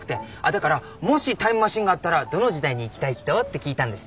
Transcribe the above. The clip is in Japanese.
だから「もしタイムマシンがあったらどの時代に行きたい人？」って聞いたんです。